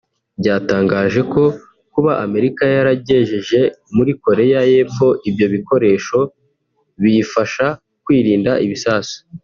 byatangaje ko kuba Amerika yaragejeje muri Korea y’Epfo ibyo bikoresho biyifasha kwirinda ibisasu